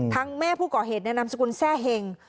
ทั้งแม่ผู้ก่อเหตุนามสกุลแทร่เหง